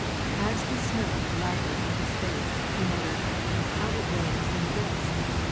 As the snow blattered in his face, he muttered, "How it raves and drifts!